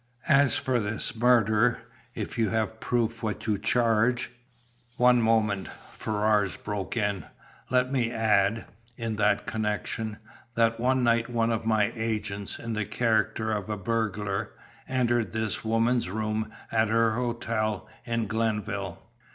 As for this murder if you have proved what you charge " "One moment," Ferrars broke in. "Let me add, in that connection, that one night one of my agents, in the character of a burglar, entered this woman's room at her hotel in Glenville.